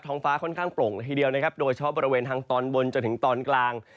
งฟ้าค่อนข้างโปร่งละทีเดียวนะครับโดยเฉพาะบริเวณทางตอนบนจนถึงตอนกลาง